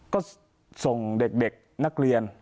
ก็ส่งเด็กนักเรียน